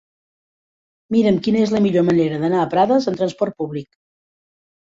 Mira'm quina és la millor manera d'anar a Prades amb trasport públic.